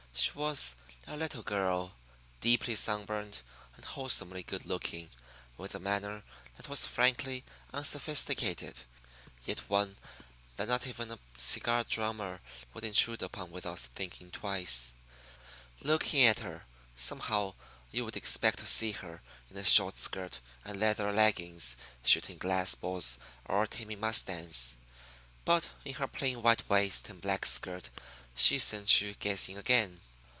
She was a little girl, deeply sunburned and wholesomely good looking, with a manner that was frankly unsophisticated, yet one that not even a cigar drummer would intrude upon without thinking twice. Looking at her, somehow you would expect to see her in a short skirt and leather leggings, shooting glass balls or taming mustangs. But in her plain white waist and black skirt she sent you guessing again.